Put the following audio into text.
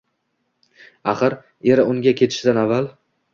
Axir, eri unga ketishidan avval